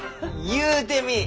言うてみい！